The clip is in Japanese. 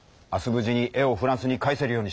無事に絵をフランスに返せるようにしよう！